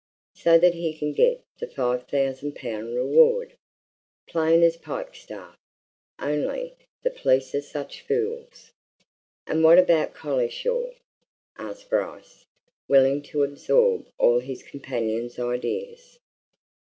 So that he can get the five thousand pound reward! Plain as a pikestaff! Only, the police are such fools." "And what about Collishaw?" asked Bryce, willing to absorb all his companion's ideas.